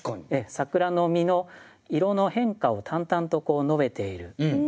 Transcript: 桜の実の色の変化を淡々と述べているだけですね。